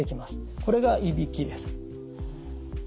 これがいびきです。